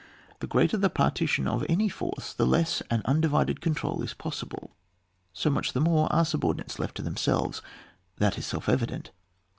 The greater the partition of any force. the less an undivided oontrol is possible, so much the more are subordinates left to themselves ; that is self evident.